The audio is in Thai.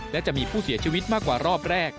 และจะมีผู้เสียชีวิตมากกว่ารอบแรก